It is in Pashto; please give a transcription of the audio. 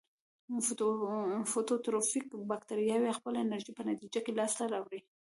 فوتوټروفیک باکتریاوې خپله انرژي په نتیجه کې لاس ته راوړي.